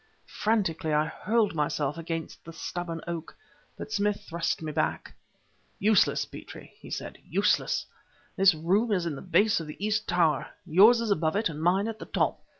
Frantically I hurled myself against the stubborn oak, but Smith thrust me back. "Useless, Petrie!" he said "useless. This room is in the base of the east tower, yours is above it and mine at the top.